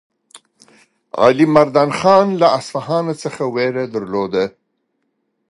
علیمردان خان له اصفهان څخه وېره درلوده.